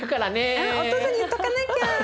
あっお父さんに言っとかなきゃ。